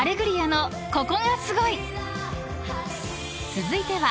［続いては］